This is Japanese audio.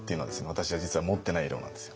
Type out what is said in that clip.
私は実は持ってない色なんですよ。